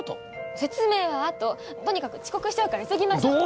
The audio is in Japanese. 説明は後、とにかく遅刻しちゃうから急ぎましょう。